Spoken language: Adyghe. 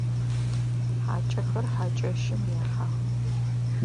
Хьакӏэхэр хьакӏэщым ехьэх.